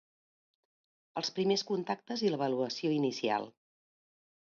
Els primers contactes i l'avaluació inicial.